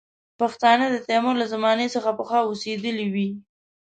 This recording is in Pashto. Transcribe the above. پښتانه د تیمور له زمانې څخه پخوا اوسېدلي وي.